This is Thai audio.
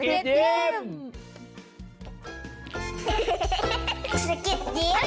สกิดยิ้ม